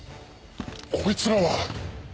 こいつらは！